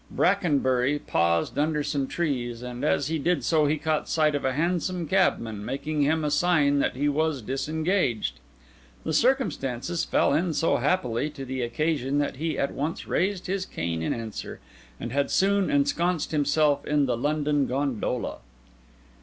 Brackenbury paused under some trees, and as he did so he caught sight of a hansom cabman making him a sign that he was disengaged. The circumstance fell in so happily to the occasion that he at once raised his cane in answer, and had soon ensconced himself in the London gondola.